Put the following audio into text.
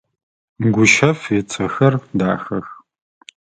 Гущэф ыцэхэр дахэх.